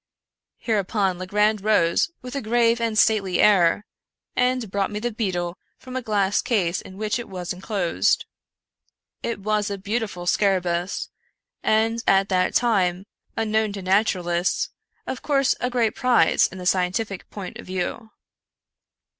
Hereupon Legrand arose, with a grave and stately air, and brought me the beetle from a glass case in which it was enclosed. It was a beautiful scar abacus, and, at that time, unknown to naturalists — of course a great prize in a scientific point of view.